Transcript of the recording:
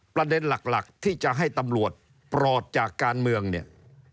ประเด็นหลักที่จะให้ตำรวจปลอดจากการเมืองเนี่ย